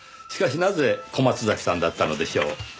しかしなぜ小松崎さんだったのでしょう？